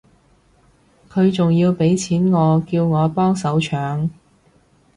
佢仲要畀錢我叫我幫手搶